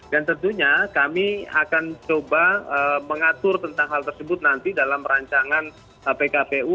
dan tentunya kami akan coba mengatur tentang hal tersebut nanti dalam rancangan pkpu